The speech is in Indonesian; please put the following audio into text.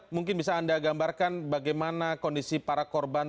mungkin bisa anda gambarkan bagaimana kondisi para korban